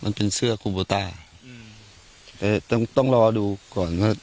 มันเป็นเสื้อคูโบต้าอืมแต่ต้องต้องรอดูก่อนว่า